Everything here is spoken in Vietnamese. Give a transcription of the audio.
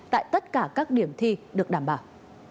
tại tất cả các điểm thi được đảm bảo